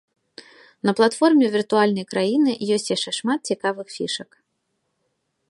На платформе віртуальнай краіны ёсць яшчэ шмат цікавых фішак.